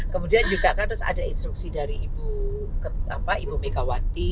kemudian juga kan terus ada instruksi dari ibu megawati